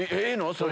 それ。